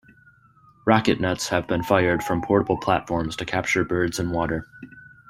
Rocket nets have been fired from portable platforms to capture birds in water.